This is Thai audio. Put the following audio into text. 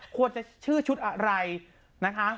ควรจะชื่อชุดอะไรนะคะ